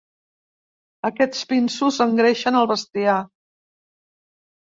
Aquests pinsos engreixen el bestiar.